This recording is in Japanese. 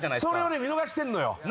それをね見逃してるのよ。